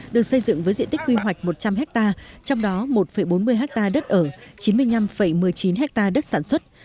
được xây dựng với diện tích quy hoạch một trăm linh ha trong đó một bốn mươi ha đất ở chín mươi năm một mươi chín ha đất sản xuất